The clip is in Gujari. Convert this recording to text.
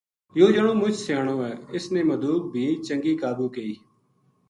یوہ جنو مچ سیانو ہے اس نے مدوک بی چنگی قابو کئی